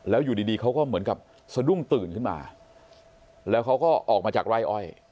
แล้วอยู่ดีเขาก็เหมือนกับสะดุ้งตื่นขึ้นมาแล้วเขาก็ออกมาจากไร่อ้อย